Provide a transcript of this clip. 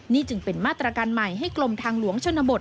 นี่จึงเป็นมาตรการใหม่ให้กลมทางหลวงชนบท